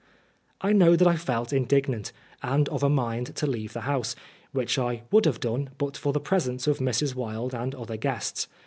I know that I felt indignant, and of a mind to leave the house, which I would have done but for the presence of Mrs. Wilde and other guests.